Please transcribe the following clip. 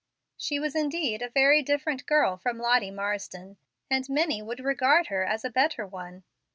She was indeed a very different girl from Lottie Marsden, and many would regard her as a better one.